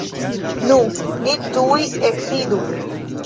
Nu, ni tuj eksidu.